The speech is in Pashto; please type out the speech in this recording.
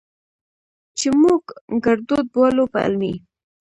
چې موږ ګړدود بولو، په علمي